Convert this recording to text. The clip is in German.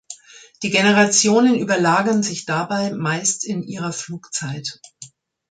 Die Generationen überlagern sich dabei meist in ihrer Flugzeit.